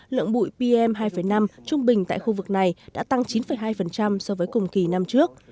lượng bụi pm hai năm trung bình tại khu vực này đã tăng chín hai so với cùng kỳ năm trước